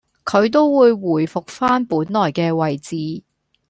佢都會回復返本來嘅位置